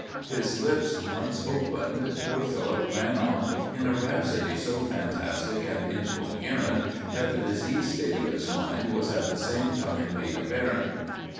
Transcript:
His lips once opened, poor Philip ran on in a rhapsody so fantastic and incoherent that the diseased state of his mind was at the same time made apparent.